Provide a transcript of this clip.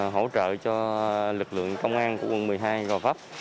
hỗ trợ cho lực lượng công an của quận một mươi hai gò vấp